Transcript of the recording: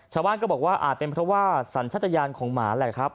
ชาวบ้านก็บอกว่าอาจเป็นเพราะว่าสัญชาติยานของหมาแหละครับ